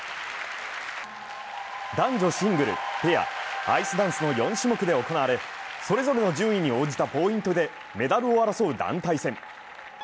男女シングル、ペア、アイスダンスの４種目で行われ、それぞれの順位に応じたポイントでメダルを争う団体戦。